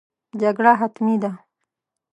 جګړه حتمي ده.